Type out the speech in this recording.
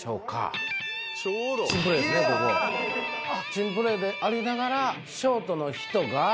珍プレーでありながら。